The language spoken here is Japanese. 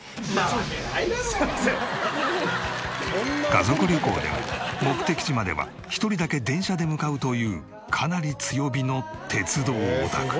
家族旅行でも目的地までは１人だけ電車で向かうというかなり強火の鉄道オタク。